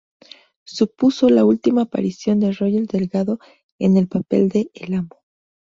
Supuso la última aparición de Roger Delgado en el papel de El Amo.